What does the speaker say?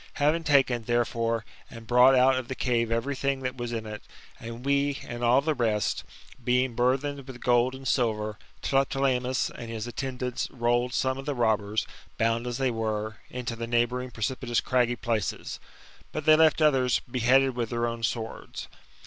Having taken, therefore, and brought out of the cave every thing that was in it, and we, and all the rest, being burthened with gold and silver, Tlepolemus and his attendAits rolled some of the robbers, bound as they were, into the neighbouring precipitous craggy places; but they left others beheaded with their own swords.